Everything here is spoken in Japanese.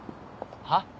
はっ？